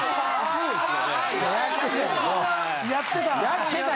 ・やってた。